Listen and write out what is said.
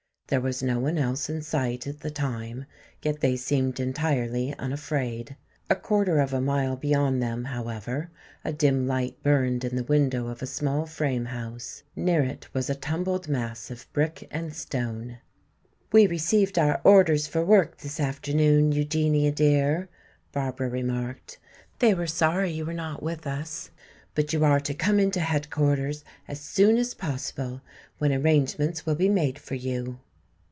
There was no one else in sight at the time, yet they seemed entirely unafraid. A quarter of a mile beyond them, however, a dim light burned in the window of a small frame house. Near it was a tumbled mass of brick and stone. "We received our orders for work this afternoon, Eugenia dear," Barbara remarked. "They were sorry you were not with us. But you are to come in to headquarters as soon as possible, when arrangements will be made for you."